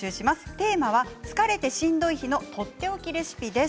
テーマは疲れてしんどい日のとっておきレシピです。